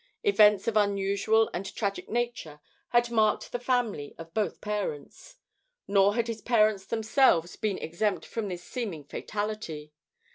Events of unusual and tragic nature had marked the family of both parents. Nor had his parents themselves been exempt from this seeming fatality.